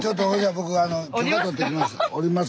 僕許可取ってきます。